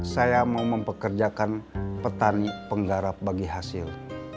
saya mau mempekerjakan petani penggarap bagi hasil